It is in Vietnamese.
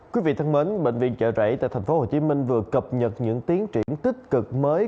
quý vị thân mến bệnh viện trợ rẫy tại tp hcm vừa cập nhật những tiến triển tích cực mới